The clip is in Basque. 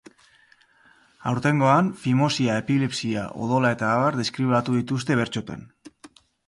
Aurtengoan, fimosia, epilepsia, odola eta abar deskribatu dituzte bertsotan.